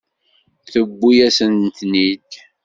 Tewwi-yasen-ten-id.